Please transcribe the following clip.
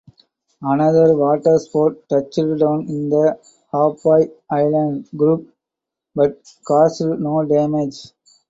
Another waterspout touched down in the Ha’apai island group but caused no damage.